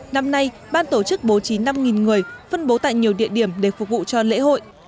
năm nay ban tổ chức bố trí năm người phân bố tại nhiều địa điểm để phục vụ cho lễ hội